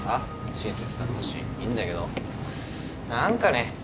親切だったしいいんだけど何かね。